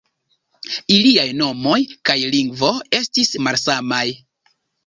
Iliaj nomoj kaj lingvo estis malsamaj.